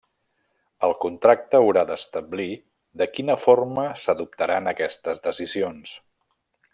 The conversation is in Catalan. El contracte haurà d'establir de quina forma s'adoptaran aquestes decisions.